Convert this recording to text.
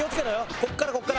ここからここから。